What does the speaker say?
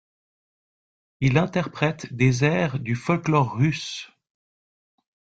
Il interprète des airs du folklore russe.